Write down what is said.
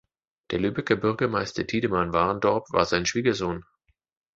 Der Lübecker Bürgermeister Tidemann Warendorp war sein Schwiegersohn.